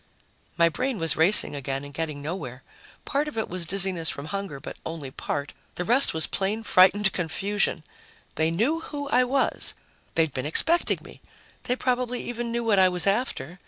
My brain was racing again and getting nowhere. Part of it was dizziness from hunger, but only part. The rest was plain frightened confusion. They knew who I was. They'd been expecting me. They probably even knew what I was after.